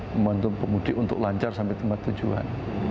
membantu pemudik untuk lancar sampai tempat tujuan